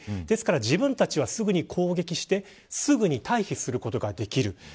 ですから自分たちはすぐに攻撃してすぐに退避することができる。